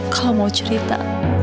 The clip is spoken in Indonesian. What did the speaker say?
kalau mau cerita